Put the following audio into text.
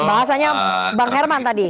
bahasanya bang herman tadi